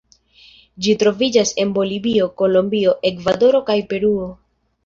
Ĝi troviĝas en Bolivio, Kolombio, Ekvadoro kaj Peruo.